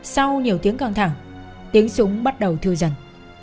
sau nhiều tiếng căng thẳng tiếng súng bắt đầu thư dần